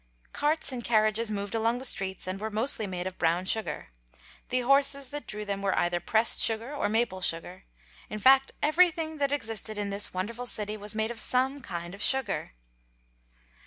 Carts and carriages moved along the streets, and were mostly made of brown sugar. The horses that drew them were either pressed sugar or maple sugar. In fact, everything that existed in this wonderful city was made of some kind of sugar.